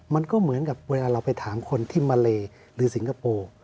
มันก็เหมือนกับเวลาเราไปถามคนที่มาเลหรือสิงคโปร์